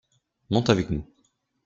Monte avec nous.